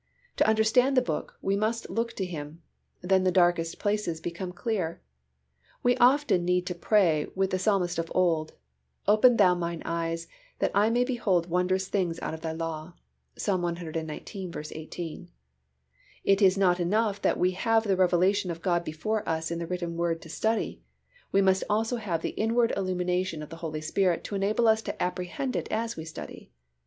To understand the Book, we must look to Him, then the darkest places become clear. We often need to pray with the Psalmist of old, "Open Thou mine eyes, that I may behold wondrous things out of Thy law" (Ps. cxix. 18). It is not enough that we have the revelation of God before us in the written Word to study, we must also have the inward illumination of the Holy Spirit to enable us to apprehend it as we study.